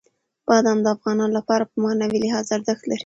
بادام د افغانانو لپاره په معنوي لحاظ ارزښت لري.